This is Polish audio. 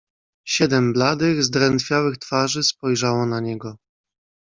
"Siedem bladych, zdrętwiałych twarzy spojrzało na niego."